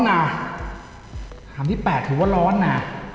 น่ะคำที่แปดถือว่าร้อนน่ะ